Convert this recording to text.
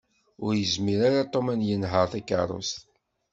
Ur yezmir ara Tom ad yenheṛ takeṛṛust.